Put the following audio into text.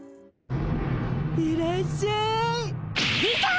いらっしゃい。出た！